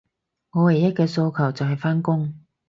我唯一嘅訴求，就係返工